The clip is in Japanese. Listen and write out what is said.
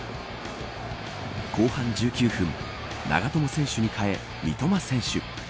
後半１９分長友選手に代え三笘選手。